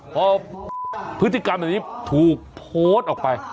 พอพฤติกรรมแบบนี้ถูกโพสต์ออกไป